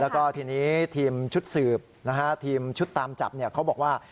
แล้วก็ทีนี้ทีมชุดสืบนะฮะทีมชุดตามจับเขาบอกว่า